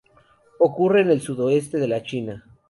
Ocurre en el sudoeste de la China.